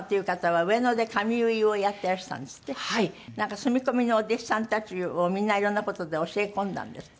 住み込みのお弟子さんたちをみんな色んな事で教え込んだんですって？